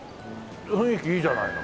雰囲気いいじゃないの。